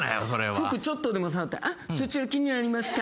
服ちょっとでも触ったらあっそちら気になりますか？